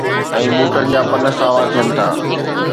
۽ ٻوٽن جا پن ساوا ٿين ٿا